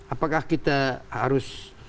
apakah kita harus